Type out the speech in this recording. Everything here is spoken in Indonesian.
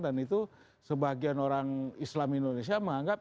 dan itu sebagian orang islam indonesia menganggap